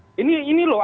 jadi kita harus berhenti